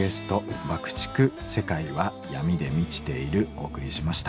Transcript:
お送りしました。